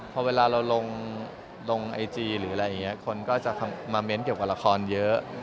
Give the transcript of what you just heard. ก็เวลาเราลงลงไอจีก็ไปอย่างเงี้ยคนก็จะมาแมนเกี่ยวกับละครเยอะ